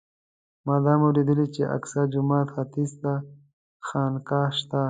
ما دا هم اورېدلي چې د الاقصی جومات ختیځ ته خانقاه شته.